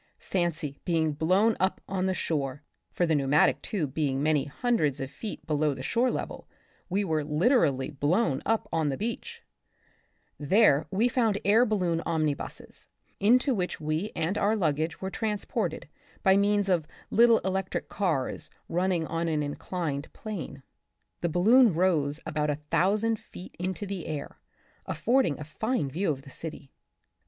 Fancy being blown up on the shore, for the pneumatic tube being many hundreds of feet below the shore level, we were literally blown up on the beach ; there we found air balloon omnibuses, into which we and our luggage were transported by means of little electrical cars, running on an inclined plane. The balloon rose about a thousand feet into the air, affording a fine view of the city.